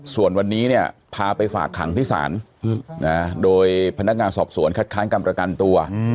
ส่วนวันนี้เนี่ยพาไปฝากขังที่ศาลโดยพนักงานสอบสวนคัดค้างกรรมประกันตัว